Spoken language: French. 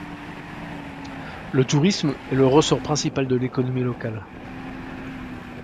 Le tourisme est le ressort principal de l'économie locale.